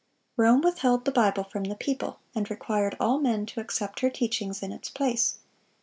Rome withheld the Bible from the people, and required all men to accept her teachings in its place.